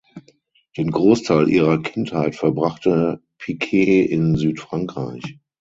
Den Großteil ihrer Kindheit verbrachte Piquet in Südfrankreich.